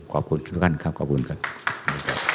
ขอบคุณทุกท่านครับขอบคุณครับ